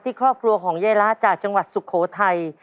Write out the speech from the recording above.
ครอบครัวของยายละจากจังหวัดสุโขทัย